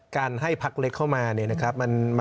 การให้พักเล็กเข้ามาเนี่ยนะครับ